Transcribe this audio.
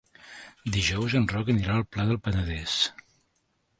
Dijous en Roc anirà al Pla del Penedès.